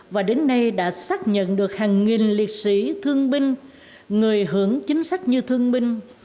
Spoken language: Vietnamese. và đến nay đã xác nhận được hàng nghìn liệt sĩ thương binh người hưởng chính sách như thương binh